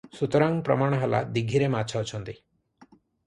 ସୁତରାଂ ପ୍ରମାଣ ହେଲା, ଦୀଘିରେ ମାଛ ଅଛନ୍ତି ।